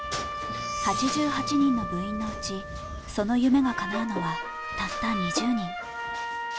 ８８人の部員のうちその夢がかなうのはたった２０人。